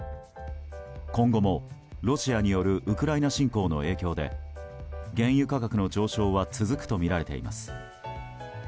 今後もロシアによるウクライナ侵攻の影響で原油価格の上昇は続くとみられています。